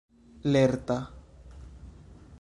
lerta